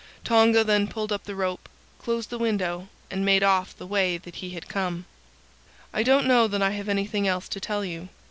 Tonga then pulled up the rope, closed the window, and made off the way that he had come. "I don't know that I have anything else to tell you.